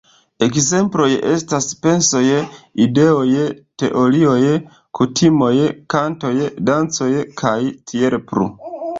Ekzemploj estas pensoj, ideoj, teorioj, kutimoj, kantoj, dancoj kaj tiel plu.